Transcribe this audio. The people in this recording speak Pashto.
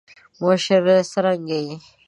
مشره څرنګه یی.